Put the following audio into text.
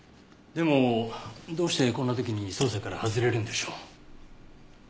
でもどうしてこんな時に捜査から外れるんでしょう？